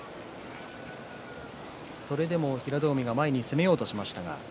それでも平戸海は前に攻めようとしましたが。